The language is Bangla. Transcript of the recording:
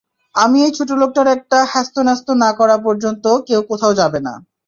আমি এই ছোটলোকটার একটা হ্যাস্ত-ন্যস্ত না করা পর্যন্ত কেউ কোথাও যাবে না।